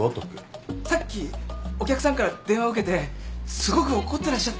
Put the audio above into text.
さっきお客さんから電話受けてすごく怒ってらっしゃったんで。